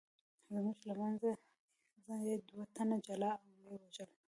زموږ له منځه یې دوه تنه جلا او ویې وژل.